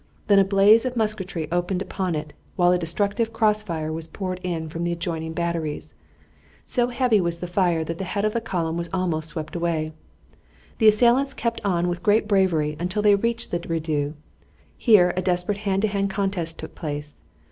Then a blaze of musketry opened upon it, while a destructive cross fire was poured in from the adjoining batteries. So heavy was the fire that the head of the column was almost swept away. The assailants kept on with great bravery until they reached the redoubt; here a desperate hand to hand contest took place.